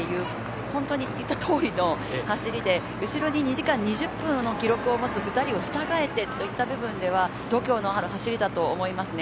本当に言ったとおりの走りで後ろに２時間２０分の記録を持つ２人を従えてといった意味では度胸のある走りだと思いますね。